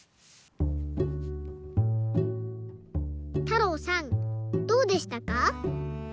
たろうさんどうでしたか？